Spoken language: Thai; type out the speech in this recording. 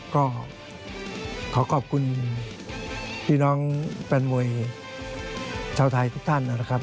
ก็ขอขอบคุณพี่น้องแฟนมวยชาวไทยทุกท่านนะครับ